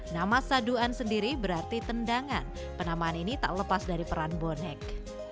nama saduan sendiri berarti tendangan penamaan ini tak lepas dari peran bonek